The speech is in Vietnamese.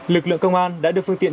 lực lượng công an đã đưa phương tiện